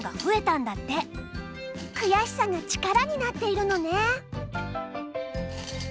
悔しさが力になっているのね。